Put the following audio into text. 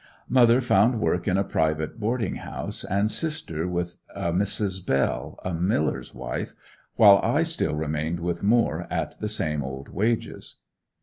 Mother found work in a private boarding house, and sister with a Mrs. Bell, a miller's wife, while I still remained with Moore at the same old wages.